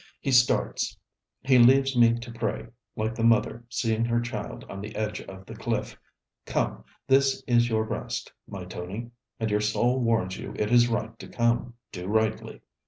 He starts. He leaves me to pray like the mother seeing her child on the edge of the cliff. Come. This is your breast, my Tony? And your soul warns you it is right to come. Do rightly.